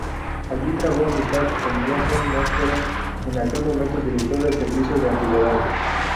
Allí trabó amistad con Gaston Maspero, en aquel momento director del "Servicio de Antigüedades".